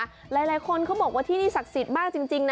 หลายคนเขาบอกว่าที่นี่ศักดิ์สิทธิ์มากจริงนะ